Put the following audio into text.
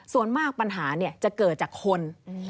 ส่วนมากปัญหาจะเกิดจากคน